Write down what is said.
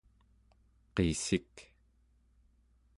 qissik